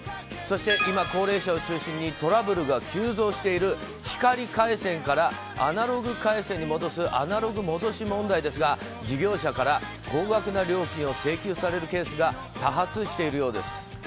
そして今、高齢者を中心にトラブルが急増している光回線からアナログ回線に戻すアナログ戻し問題ですが事業者から高額な料金を請求されるケースが多発しているようです。